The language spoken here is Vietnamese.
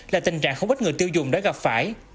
là tình trạng không bất ngờ tiêu dùng đó gặp phải